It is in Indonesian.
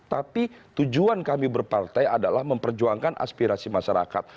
tapi tujuan kami berpartai adalah memperjuangkan aspirasi masyarakat